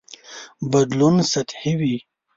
بدلون سطحي وي.